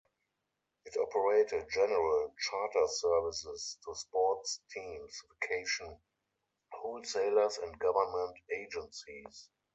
It operated general charter services to sports teams, vacation wholesalers and government agencies.